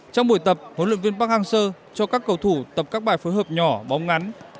trong buổi tập huấn luyện viên park hang seo cho các cầu thủ tập các bài phối hợp nhỏ bóng ngắn